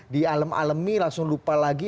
di alem alemi langsung lupa lagi